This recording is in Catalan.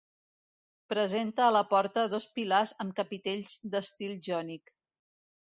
Presenta a la porta dos pilars amb capitells d'estil jònic.